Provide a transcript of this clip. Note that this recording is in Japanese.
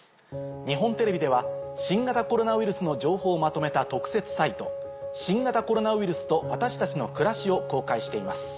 日本テレビでは新型コロナウイルスの情報をまとめた特設サイト。を公開しています。